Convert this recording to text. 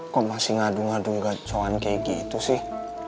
kok masih ngadu ngadu gacauan kayak gitu sih